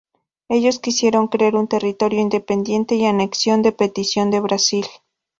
Ellos quisieron crear un territorio independiente, y anexión de petición de Brasil.